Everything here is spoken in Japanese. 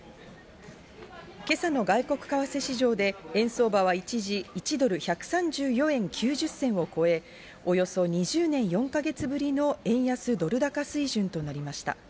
今朝の外国為替市場で円相場は一時、１ドル＝１３４円９０銭を超え、およそ２０年４か月ぶりの円安ドル高水準となりました。